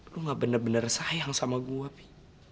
lu gak bener bener sayang sama gue pi